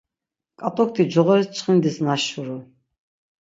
Ǩat̆ukti coğoris çxindis naşuru.